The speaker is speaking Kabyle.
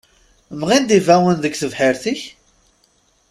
Mɣin-d ibawen deg tebḥirt-ik?